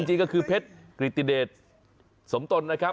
จริงก็คือเพชรกริติเดชสมตนนะครับ